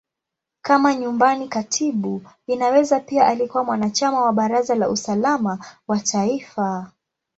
Kama Nyumbani Katibu, Inaweza pia alikuwa mwanachama wa Baraza la Usalama wa Taifa.